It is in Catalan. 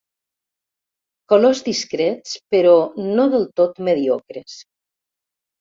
Colors discrets, però no del tot mediocres.